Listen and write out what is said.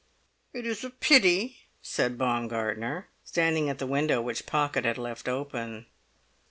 "It is a pity," said Baumgartner, standing at the window which Pocket had left open.